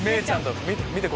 見て！